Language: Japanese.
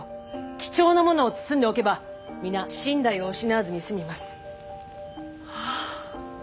貴重なものを包んでおけば皆身代を失わずに済みます！